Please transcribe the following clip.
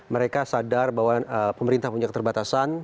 mereka sadar bahwa pemerintah punya keterbatasan